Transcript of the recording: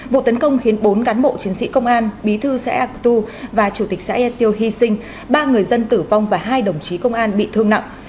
vụ tấn công khiến bốn cán bộ chiến sĩ công an bí thư xã ea cơ tu và chủ tịch xã ea tiêu hy sinh ba người dân tử vong và hai đồng chí công an bị thương nặng